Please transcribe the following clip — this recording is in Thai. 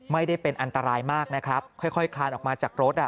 ไม่ได้เป็นอันตรายมากนะครับค่อยคลานออกมาจากรถ